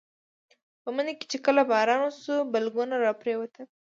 په مني کې چې کله باران وشو بلګونه راپرېوتل.